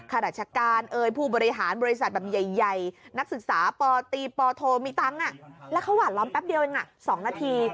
ข้าราชการผู้บริหารบริษัทแบบใหญ่นักศึกษาปตีปโทมีตังค์แล้วเขาหวานล้อมแป๊บเดียวเอง๒นาที